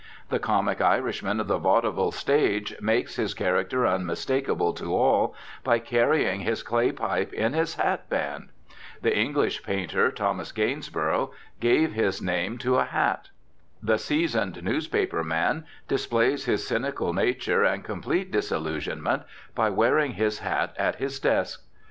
The comic Irishman of the vaudeville stage makes his character unmistakable to all by carrying his clay pipe in his hat band. The English painter, Thomas Gainsborough, gave his name to a hat. The seasoned newspaper man displays his cynical nature and complete disillusionment by wearing his hat at his desk.